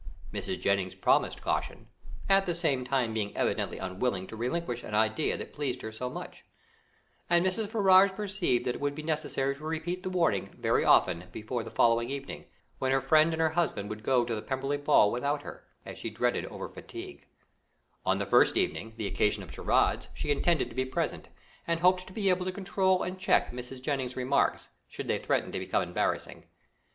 Mrs. Jennings promised caution, at the same time being evidently unwilling to relinquish an idea that pleased her so much, and Mrs. Ferrars perceived that it would be necessary to repeat the warnings very often before the following evening, when her friend and her husband would go to the Pemberley ball without her, as she dreaded over fatigue; on the first evening, the occasion of the charades, she intended to be present, and hoped to be able to control and check Mrs. Jennings's remarks, should they threaten to become embarrassing.